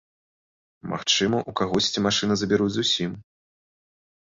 Магчыма, у кагосьці машыны забяруць зусім.